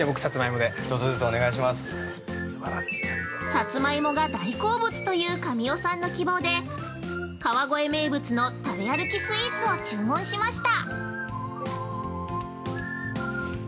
◆さつまいもが大好物という神尾さんの希望で川越名物の食べ歩きスイーツを注文しました。